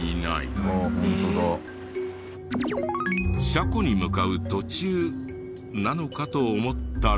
車庫に向かう途中なのかと思ったら。